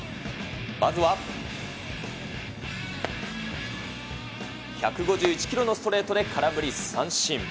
まずは、１５１キロのストレートで空振り三振。